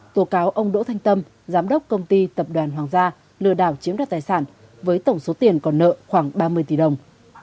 tố cáo ông đỗ thanh tâm giám đốc công ty tập đoàn hoàng gia lừa đảo chiếm đoạt tài sản với tổng số tiền còn nợ khoảng ba mươi tỷ đồng